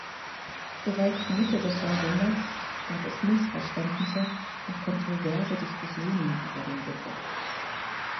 Bereits Mitte des Jahrhunderts gab es Missverständnisse und kontroverse Diskussionen über den Begriff.